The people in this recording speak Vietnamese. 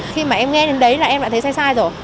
khi mà em nghe đến đấy là em đã thấy sai sai rồi